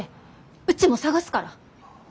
うちも捜すから。